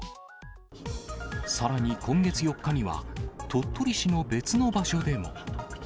さらに今月４日には、鳥取市の別の場所でも。